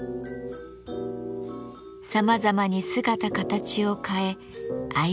さまざまに姿形を変え愛される抹茶。